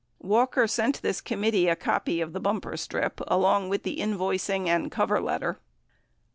Walker sent this committee a copy of the bumper strip, along with the invoicing and cover letter.